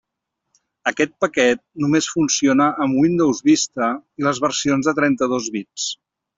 Aquest paquet només funciona amb Windows Vista i les versions de trenta-dos bits.